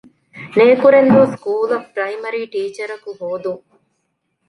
ނޭކުރެންދޫ ސްކޫލަށް ޕްރައިމަރީ ޓީޗަރަކު ހޯދުން